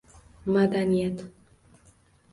Madaniyat